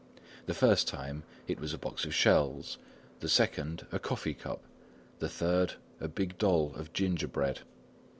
The first time it was a box of shells; the second, a coffee cup; the third, a big doll of ginger bread.